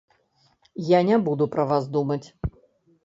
Я не буду пра вас думаць.